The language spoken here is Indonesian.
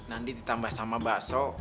nanti ditambah sama bakso